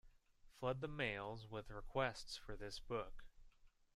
Flood the mails with requests for this book.